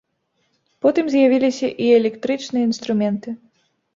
Потым з'явіліся і электрычныя інструменты.